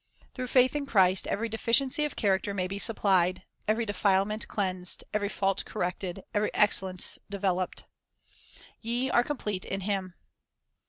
Through faith in Christ, every deficiency of character may be supplied, ever) defilement cleansed, every fault corrected, every excellence developed. " Ye are complete in Him."